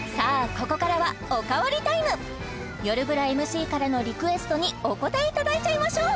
ここからはよるブラＭＣからのリクエストにお応えいただいちゃいましょう！